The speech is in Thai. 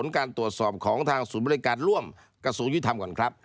ของทางศูนย์บริการร่วมกระทรวงยุติธรรมก่อนครับ